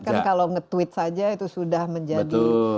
kan kalau nge tweet saja itu sudah menjadi